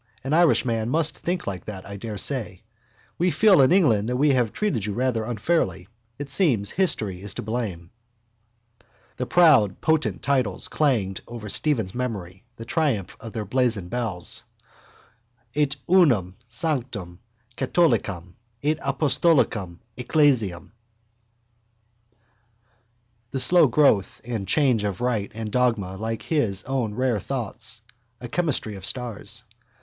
An Irishman must think like that, I daresay. We feel in England that we have treated you rather unfairly. It seems history is to blame. The proud potent titles clanged over Stephen's memory the triumph of their brazen bells: et unam sanctam catholicam et apostolicam ecclesiam: the slow growth and change of rite and dogma like his own rare thoughts, a chemistry of stars.